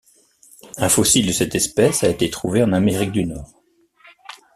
Un fossile de cette espèce a été trouvé en Amérique du Nord.